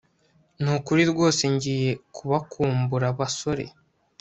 Nukuri rwose ngiye kubakumbura basore